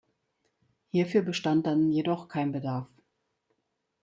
Hierfür bestand dann jedoch kein Bedarf.